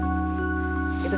yaak juga sangat kuat